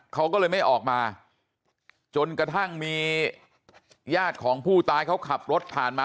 เขาก็เลยไม่ออกมาจนกระทั่งมีญาติของผู้ตายเขาขับรถผ่านมา